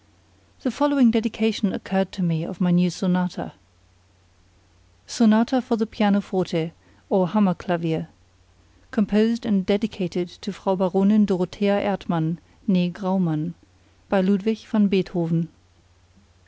The following dedication occurred to me of my new Sonata: "Sonata for the Pianoforte, or Hammer Clavier. Composed and dedicated to Frau Baronin Dorothea Ertmann née Graumann, by Ludwig van Beethoven."